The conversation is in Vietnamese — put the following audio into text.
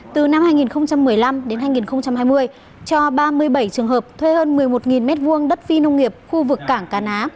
từ năm hai nghìn một mươi năm đến hai nghìn hai mươi cho ba mươi bảy trường hợp thuê hơn một mươi một m hai đất phi nông nghiệp khu vực cảng cá ná